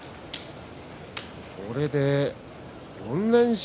これで４連勝。